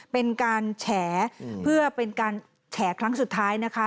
เป็นการแฉเพื่อเป็นการแฉครั้งสุดท้ายนะคะ